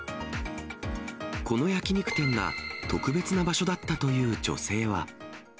この焼き肉店が特別な場所だったという女性は。